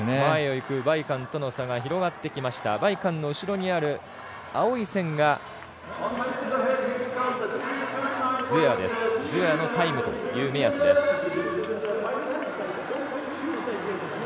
前を行く韓梅との差が広がってきました、韓梅の後ろにある青い線がズエワのタイムという目安です。